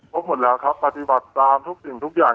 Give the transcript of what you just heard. พบหมดแล้วครับปฏิบัติตามทุกสิ่งทุกอย่าง